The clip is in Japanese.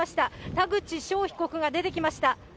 田口翔被告が出てきました。